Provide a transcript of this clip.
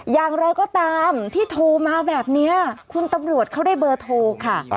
อย่างไรก็ตามที่โทรมาแบบนี้คุณตำรวจเขาได้เบอร์โทรค่ะ